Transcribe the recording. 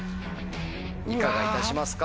いかがいたしますか？